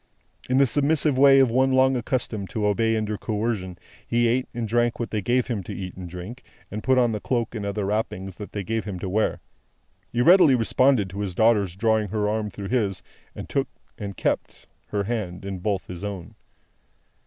In the submissive way of one long accustomed to obey under coercion, he ate and drank what they gave him to eat and drink, and put on the cloak and other wrappings, that they gave him to wear. He readily responded to his daughter's drawing her arm through his, and took and kept her hand in both his own.